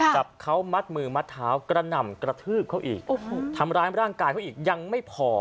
จับเขามัดมือมัดเท้ากระหน่ำกระทืบเขาอีกโอ้โหทำร้ายร่างกายเขาอีกยังไม่พอ